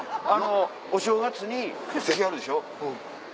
お正月に来はるでしょ？